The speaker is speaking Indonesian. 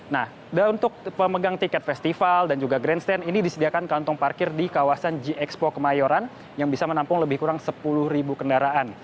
nah untuk pemegang tiket festival dan juga grandstand ini disediakan kantong parkir di kawasan g expo kemayoran yang bisa menampung lebih kurang sepuluh kendaraan